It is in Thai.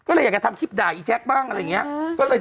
ก็เลยอยากสามารถคลิปด่าอีแจ๊กส์บ้างอะไรอย่างเงี้ย